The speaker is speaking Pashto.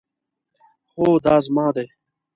هو، دا زما دی